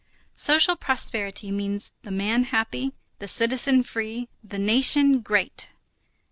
Social prosperity means the man happy, the citizen free, the nation great.